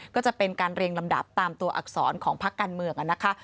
ก็จะเป็นการเรียงลำดับตามตัวอักษรของพักการเมืองนะคะ